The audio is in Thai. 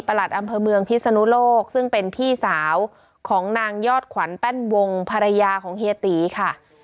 หลัดอำเภอเมืองพิศนุโลกซึ่งเป็นพี่สาวของนางยอดขวัญแป้นวงภรรยาของเฮียตีค่ะ